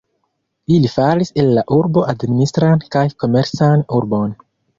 Ili faris el la urbo administran kaj komercan urbon.